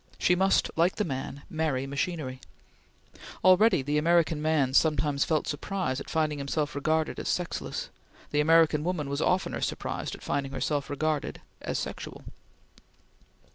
She must, like the man, marry machinery. Already the American man sometimes felt surprise at finding himself regarded as sexless; the American woman was oftener surprised at finding herself regarded as sexual.